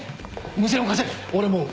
無線を貸せ俺も追う。